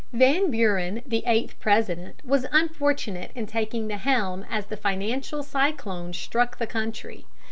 Van Buren, the eighth President, was unfortunate in taking the helm as the financial cyclone struck the country.